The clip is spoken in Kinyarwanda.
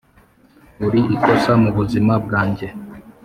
uri ikosa mu buzima bwange